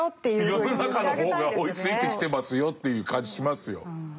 世の中の方が追いついてきてますよという感じしますよ。